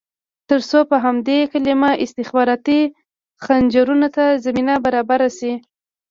ترڅو په همدې کلمه استخباراتي خنجرونو ته زمینه برابره شي.